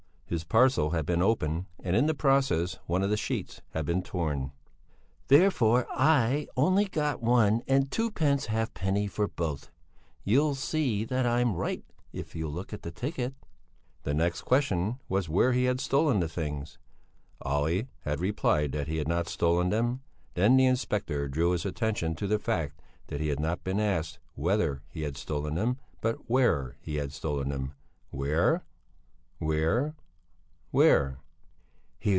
His parcel had been opened and, in the process, one of the sheets had been torn. "Therefore I only got one and twopence halfpenny for both. You'll see that I'm right if you'll look at the ticket." The next question was where he had stolen the things? Olle had replied that he had not stolen them; then the inspector drew his attention to the fact that he had not been asked whether he had stolen them, but where he had stolen them? Where? where?